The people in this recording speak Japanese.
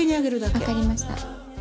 分かりました。